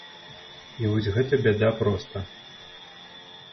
І вось гэта бяда проста.